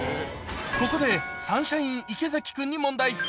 ここで、サンシャイン池崎君に問題。